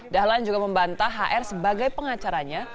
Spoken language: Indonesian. dahlan juga membantah hr sebagai pengacaranya